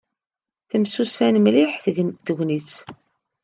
Temsusam mliḥ tegnit.